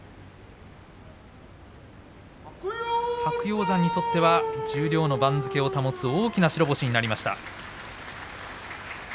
白鷹山にとっては十両の番付を保つ大きな一番になりました。